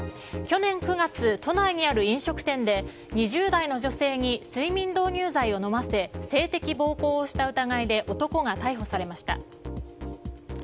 去年９月、都内にある飲食店で２０代の女性に睡眠導入剤を飲ませ性的暴行をした疑いで男が逮捕されました。